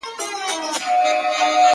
د هغه په فکر وجود یو دی